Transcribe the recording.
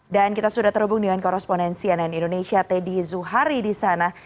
dan kita sudah terhubung dengan korrespondensi ann indonesia teddy zuhari di sana